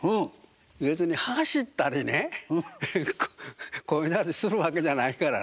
別に走ったりねこいだりするわけじゃないからね。